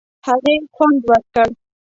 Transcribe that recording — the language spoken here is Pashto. هغې خوند ورکړ.